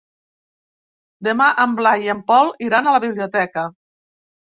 Demà en Blai i en Pol iran a la biblioteca.